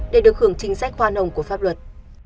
để được hưởng chính sách hoa nồng của pháp luật